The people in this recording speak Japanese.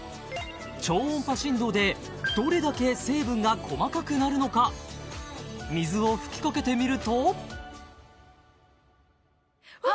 超音波振動でどれだけ成分が細かくなるのか水を吹きかけてみるとわわわ！